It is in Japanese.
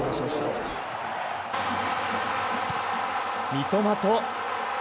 三笘と。